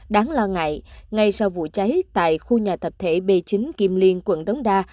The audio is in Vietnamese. đáng lo ngại ngay sau vụ cháy tại khu nhà tập thể b chín kim liên quận đống đa